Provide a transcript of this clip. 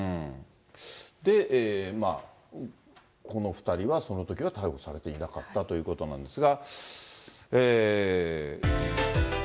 で、この２人はそのときは逮捕されていなかったということなんですが。